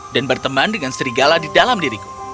dan berteman dengan serigala di dalam diriku